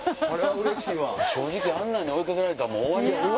正直あんなんに追い掛けられたらもう終わりや。